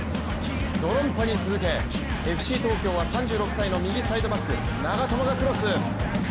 ドロンパに続け、ＦＣ東京は３６歳の右サイドバック、長友がクロス。